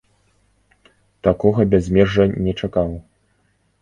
Такога бязмежжа не чакаў.